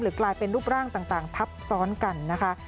กลายเป็นรูปร่างต่างทับซ้อนกันนะคะ